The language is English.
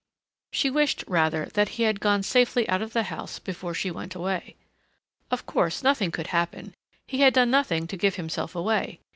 She wished, rather, that he had gone safely out of the house before she went away. Of course nothing could happen. He had done nothing to give himself away.